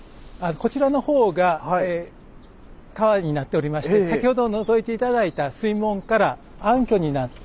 こちらの方が川になっておりまして先ほどのぞいて頂いた水門から暗渠になって。